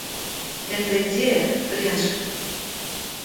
Эта идея — кринж.